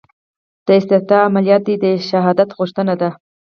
دا استشهاديه عمليات دي دا شهادت غوښتنه ده.